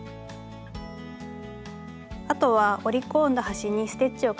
あとは折り込んだ端にステッチをかけて下さい。